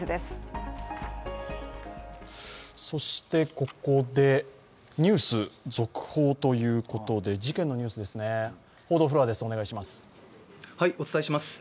ここで、ニュース続報ということで事件のニュースです。